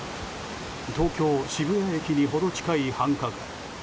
東京・渋谷駅にほど近い繁華街。